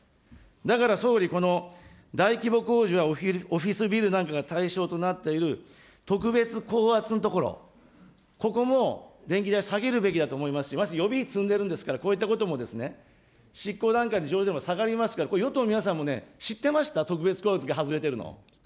だから総理、この大規模工場やオフィスビルなんかが対象となっている特別高圧のところ、ここも電気代下げるべきだと思いますし、まず予備費積んでるんですから、こういったこともですね、執行段階で下がりますから、これ、与党の皆さんも知ってました、特別高圧が外れているの。